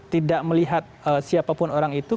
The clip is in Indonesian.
tidak melihat siapapun orang itu